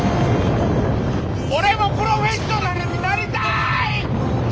俺もプロフェッショナルになりたい！